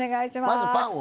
まずパンを。